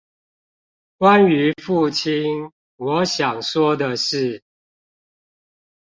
關於父親，我想說的事